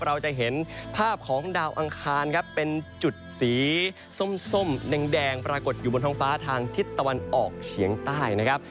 เราจะเห็นภาพของดาวอังคารครับเป็นจุดสีส้มแดงปรากฏอยู่บนท้องฟ้าทางทิศตะวันออกเฉียงใต้นะครับ